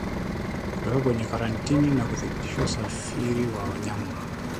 Kuweka kwenye karantini na kudhibiti usafiri wa wanyama